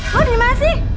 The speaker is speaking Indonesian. loh di mana sih